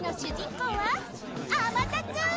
こうはあまたつ！